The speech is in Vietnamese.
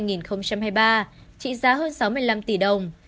năm hai nghìn hai mươi hai hai nghìn hai mươi ba trị giá hơn sáu mươi năm tỷ đồng